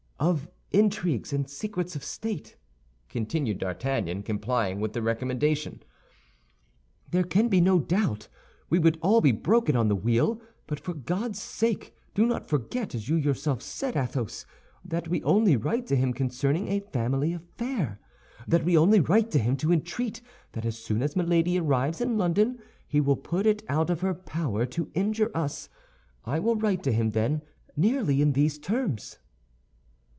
"—of intrigues and secrets of state," continued D'Artagnan, complying with the recommendation. "There can be no doubt we would all be broken on the wheel; but for God's sake, do not forget, as you yourself said, Athos, that we only write to him concerning a family affair; that we only write to him to entreat that as soon as Milady arrives in London he will put it out of her power to injure us. I will write to him, then, nearly in these terms."